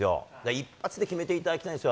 一発で決めていただきたいんですよ。